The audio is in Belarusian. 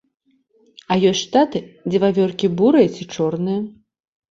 А ёсць штаты, дзе вавёркі бурыя ці чорныя.